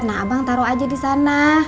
nah abang taruh aja disana